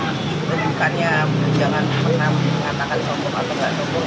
ya pak pak itu bukan yang jangan pernah mengatakan sombong atau nggak sombong